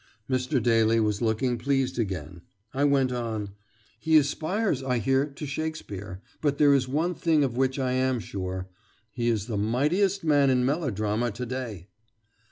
Mr. Daly was looking pleased again. I went on: "He aspires, I hear, to Shakespeare, but there is one thing of which I am sure. He is the mightiest man in melodrama to day!"